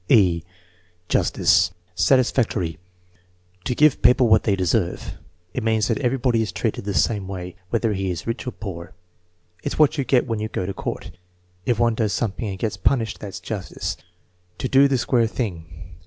(e) Justice Satisfactory. "To give people what they deserve." "It means that everybody is treated the same way, whether he is rich or poor." "It's what you get when you go to court." "If one does 284 THE MEASUEEMENT OF INTELLIGENCE something and gets punished, that's justice." "To do the square thing."